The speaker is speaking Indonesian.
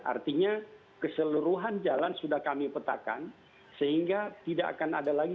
artinya keseluruhan jalan sudah kami petakan sehingga tidak akan ada lagi